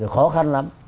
khó khăn lắm